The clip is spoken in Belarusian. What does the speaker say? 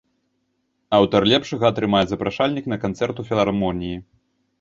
Аўтар лепшага атрымае запрашальнік на канцэрт у філармоніі.